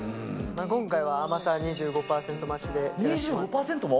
今回は甘さ２５％増しで。